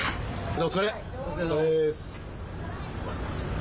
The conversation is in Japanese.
お疲れ！